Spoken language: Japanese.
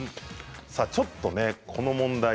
ちょっとこの問題